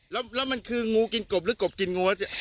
แล้วมันคืองูกินกบหรือกบกินงูสิ